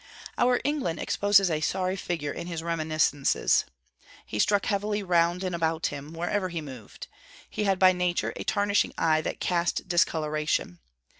Our England exposes a sorry figure in his Reminiscences. He struck heavily, round and about him, wherever he moved; he had by nature a tarnishing eye that cast discolouration.